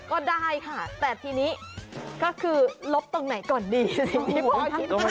ก็ได้ค่ะแต่ทีนี้ก็คือลบตรงไหนก่อนดีสิ่งที่พ่อคิด